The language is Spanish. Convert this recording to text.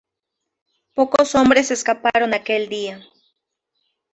Pocos hombres escaparon aquel día.